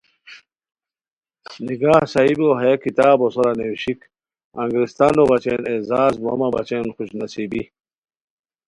نگاہؔ صاحبو ہیہ کتابو سورہ نیوشیک ’’ انگریستانو‘‘ بچین اعزاز وا مہ بچین خوش نصیبی